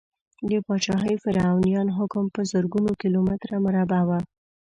د پاچاهي فرعونیانو حکم په زرګونو کیلو متره مربع و.